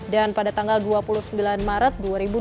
dan pada tanggal dua puluh sembilan maret dua ribu dua puluh tiga